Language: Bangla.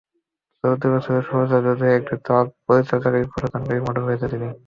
চলতি বছরে শুভেচ্ছাদূত হয়ে একটি ত্বক পরিচর্যাকারী প্রসাধনীর মডেল হয়েছেন তিনি।